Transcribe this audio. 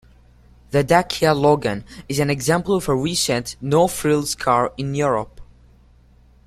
The Dacia Logan is an example of a recent no-frills car in Europe.